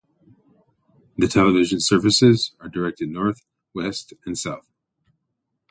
The television services are directed North, West and South.